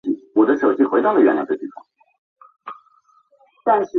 理大学生会会址为香港九龙红磡香港理工大学邵逸夫楼。